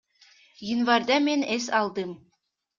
Январда мен эс алдым.